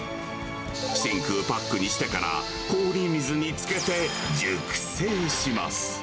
真空パックにしてから、氷水につけて熟成します。